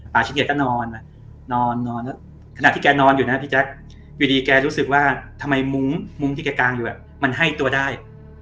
ขี้เกียจก็นอนนอนขณะที่แกนอนอยู่นะพี่แจ๊คอยู่ดีแกรู้สึกว่าทำไมมุ้งที่แกกางอยู่แบบมันให้ตัวได้